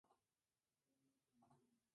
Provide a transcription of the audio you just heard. No hay datos exactos.